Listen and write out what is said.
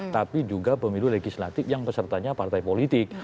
tapi juga pemilu legislatif yang pesertanya partai politik